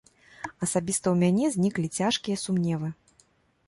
Асабіста ў мяне зніклі цяжкія сумневы.